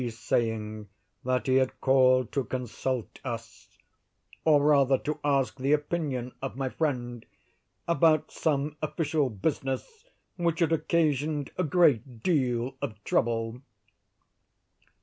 's saying that he had called to consult us, or rather to ask the opinion of my friend, about some official business which had occasioned a great deal of trouble.